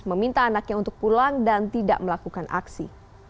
meminta anaknya untuk pulang dan tidak melakukan aksi